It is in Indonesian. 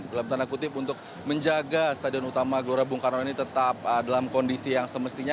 dalam tanda kutip untuk menjaga stadion utama gelora bung karno ini tetap dalam kondisi yang semestinya